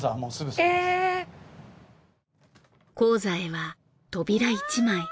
高座へは扉１枚。